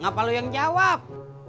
ngapalo yang jawab